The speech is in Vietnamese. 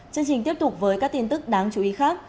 chương trình tiếp tục với các tin tức đáng chú ý khác